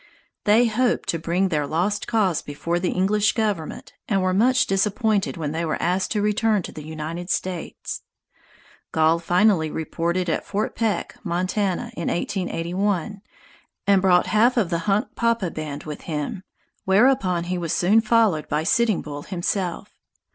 They hoped to bring their lost cause before the English government and were much disappointed when they were asked to return to the United States. Gall finally reported at Fort Peck, Montana, in 1881, and brought half of the Hunkpapa band with him, whereupon he was soon followed by Sitting Bull himself.